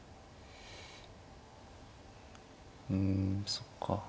うんそっか。